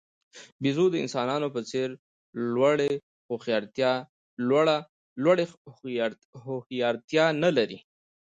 بیزو د انسانانو په څېر لوړې هوښیارتیا نه لري.